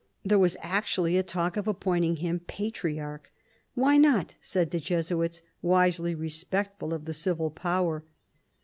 There was actually a talk of appointing him Patriarch. Why not ? said the Jesuits, wisely respectful of the civil power.